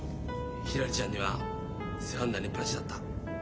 ひらりちゃんには世話になりっぱなしだった。